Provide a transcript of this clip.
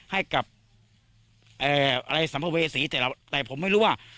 ให้กับอะไรสัมภเวษีแต่ผมไม่รู้ว่า